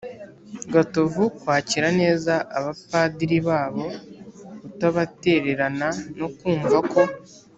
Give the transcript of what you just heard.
gatovu kwakira neza abapadiri babo, kutabatererana no kumva ko